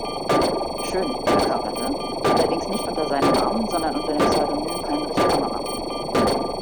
Schön“ verkörperte, allerdings nicht unter seinem Namen, sondern dem Pseudonym "Heinrich Kammerer".